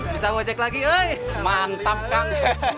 bisa gojek lagi eh mantap kang